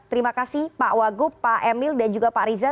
terima kasih pak wagup pak emil dan juga pak riza